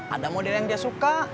ada model yang dia suka